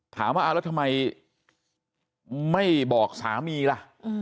ถามว่าแล้วทำไมไม่บอกสามีล่ะ